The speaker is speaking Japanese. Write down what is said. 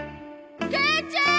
母ちゃん！